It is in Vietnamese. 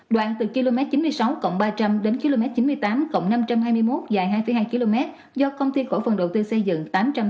đoạn từ km chín mươi sáu ba trăm linh đến km chín mươi tám năm trăm hai mươi một dài hai hai km do công ty cổ phần đầu tư xây dựng tám trăm tám mươi